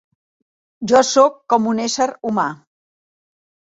Jo sóc com un ésser humà.